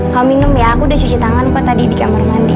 kalo minum ya saya udah cuci tangan pad tadi di kamar mandi